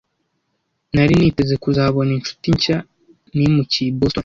Nari niteze kuzabona inshuti nshya nimukiye i Boston.